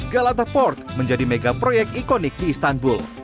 galata port menjadi mega proyek ikonik di istanbul